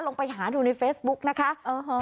ลงไปหาลุงในเฟซบุ๊กนะครับ